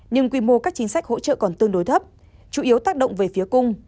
nhưng quy mô các chính sách hỗ trợ còn tương đối thấp chủ yếu tác động về phía cung